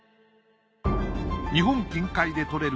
日本近海で採れる